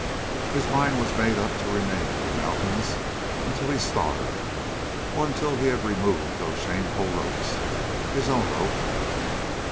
His mind was made up to remain in the mountains until he starved, or until he had removed those shameful ropes his own rope!